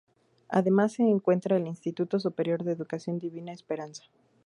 Además se encuentra el Instituto Superior de Educación Divina Esperanza.